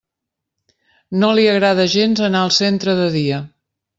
No li agrada gens anar al centre de dia.